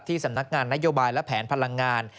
สำนักงานนโยบายและแผนพลังงาน